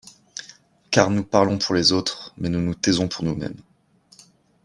Car nous parlons pour les autres, mais nous nous taisons pour nous-mêmes.